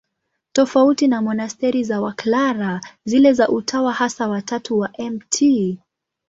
Tofauti na monasteri za Waklara, zile za Utawa Hasa wa Tatu wa Mt.